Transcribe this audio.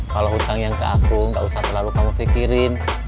kalau hutang yang ke aku nggak usah terlalu kamu pikirin